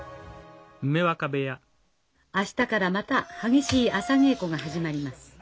明日からまた激しい朝稽古が始まります。